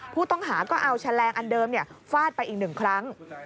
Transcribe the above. ผู้ต้องหาก็เอาแฉลงอันเดิมฟาดไปอีก๑ครั้ง